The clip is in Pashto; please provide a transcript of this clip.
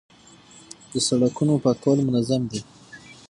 د سړکونو پاکول منظم دي؟